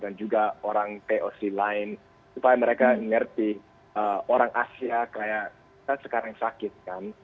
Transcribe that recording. juga orang poc lain supaya mereka ngerti orang asia kayak kita sekarang sakit kan